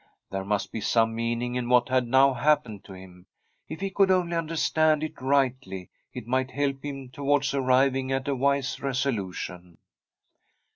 There must be some meaning in what had now happened to him. If he could only understand it rightly, it might help him towards arriving at a wise reso lution.